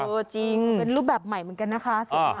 จริงเป็นรูปแบบใหม่เหมือนกันนะคะ